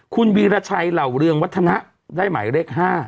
คุณวีรชัยเหล่าเรืองวัฒนะได้หมายเลข๕